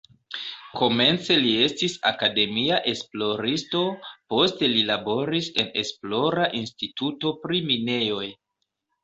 Komence li estis akademia esploristo, poste li laboris en esplora instituto pri minejoj.